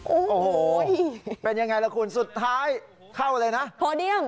โอ้โหเป็นยังไงล่ะคุณสุดท้ายเข้าเลยนะโพเดียม